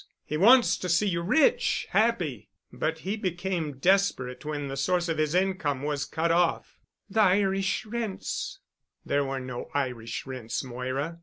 He wants to see you rich—happy—but he became desperate when the source of his income was cut off——" "The Irish rents——?" "There were no Irish rents, Moira.